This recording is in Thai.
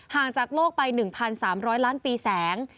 งจากโลกไป๑๓๐๐ล้านปีแสง